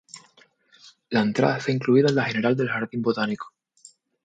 La entrada está incluida en la general del jardín botánico.